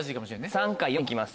３か４行きます。